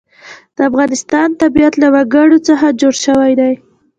د افغانستان طبیعت له وګړي څخه جوړ شوی دی.